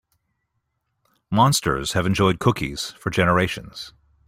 Monsters have enjoyed cookies for generations.